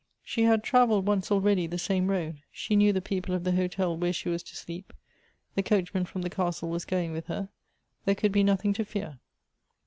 She had travelled once already the same road. She knew the people of the hotel whe?e she was to sleep. The coachman from the castle was going with her. There could be nothing to fear.